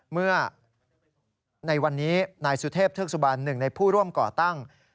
เมื่อในวันนี้นายสุเทพธิกษุบาล๑ในผู้ร่วมก่อตั้ง